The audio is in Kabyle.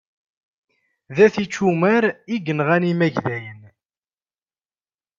D at ičumar i yenɣan imagdayen.